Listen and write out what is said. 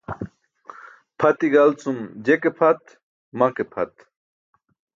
Pʰati gal cum je ke pʰat, ma ke pʰat.